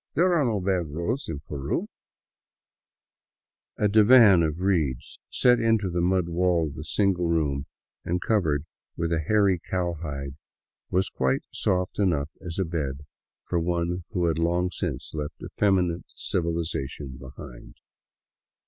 There are no bad roads in Peru !" A divan of reeds, set into the mud wall of the single room and cov ered with a hairy cowhide, was quite soft enough as a bed for one who had long since left effeminate civilization behind.